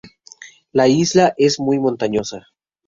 La isla es muy montañosa.